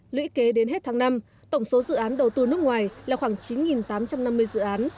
lũy kế đến hết tháng năm tổng số dự án đầu tư nước ngoài là khoảng chín tám trăm năm mươi dự án